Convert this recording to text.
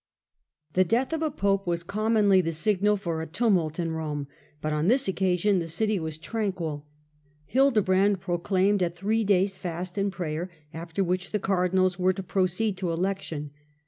The death of a pope was commonly the signal for a tumult in Rome, but on this occasion the city was Election of tranquil. Hildebrand proclaimed a three days' April 2?° fast and prayer, after which the cardinals were to proceed to election.